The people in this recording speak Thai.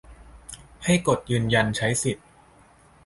ให้กดยืนยันใช้สิทธิ